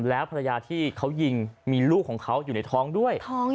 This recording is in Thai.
แล้วภรรยาที่เขายิงมีลูกของเขาอยู่ในท้องด้วย